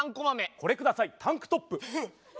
これ下さいタンクトップ。